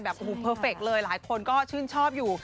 เพอร์เฟคเลยหลายคนก็ชื่นชอบอยู่